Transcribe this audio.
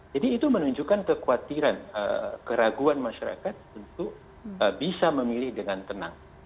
jadi itu menunjukkan kekhawatiran keraguan masyarakat untuk bisa memilih dengan tenang